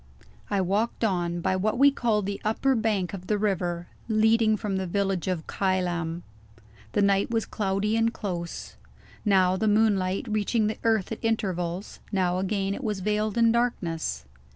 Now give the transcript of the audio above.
I walked on, by what we called the upper bank of the river; leading from the village of Kylam. The night was cloudy and close. Now the moonlight reached the earth at intervals; now again it was veiled in darkness.